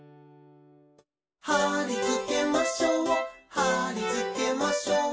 「はりつけましょうはりつけましょう」